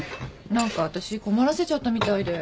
何か私困らせちゃったみたいで。